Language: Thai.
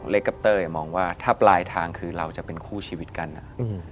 กับเต้ยมองว่าถ้าปลายทางคือเราจะเป็นคู่ชีวิตกันนะ